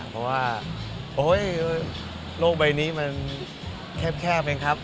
เพราะว่าโลกใบนี้มันแคบเองครับ